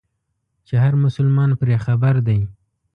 چې هر مسلمان پرې خبر دی.